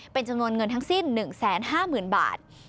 เป็นจำนวนเงินทั้งสิ้น๑๕๐๐๐บาท